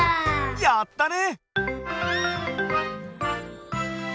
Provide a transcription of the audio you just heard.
やったね！